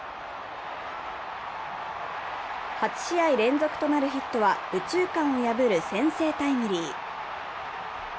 ８試合連続となるヒットは右中間を破る先制タイムリー。